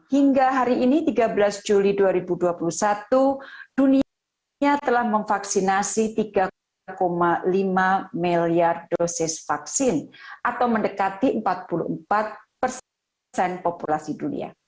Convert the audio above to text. hingga hari ini tiga belas juli dua ribu dua puluh satu dunia telah memvaksinasi tiga lima miliar dosis vaksin atau mendekati empat puluh empat persen populasi dunia